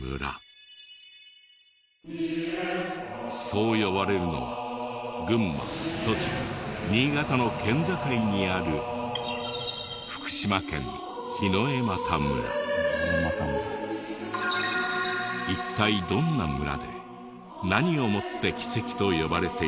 そう呼ばれるのは群馬栃木新潟の県境にある一体どんな村で何をもって奇跡と呼ばれているのか？